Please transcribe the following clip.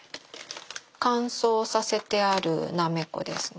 乾燥させてあるなめこですね